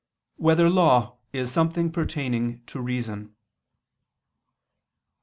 1] Whether Law Is Something Pertaining to Reason?